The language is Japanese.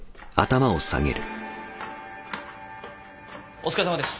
・お疲れさまです。